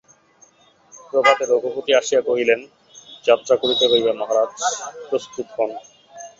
প্রভাতে রঘুপতি আসিয়া কহিলেন, যাত্রা করিতে হইবে মহারাজ, প্রস্তুত হোন।